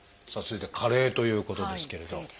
さあ続いて「加齢」ということですけれど。